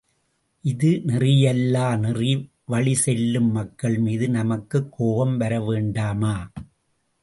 இந்த நெறியல்லா நெறி வழிச் செல்லும் மக்கள்மீது நமக்குக் கோபம் வரவேண்டாமா?